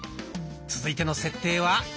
続いての設定は。